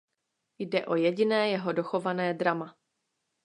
Jde o jediné jeho dochované drama.